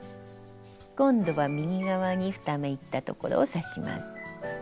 今度は右側に２目いったところを刺します。